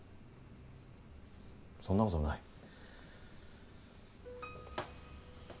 そんなことはない。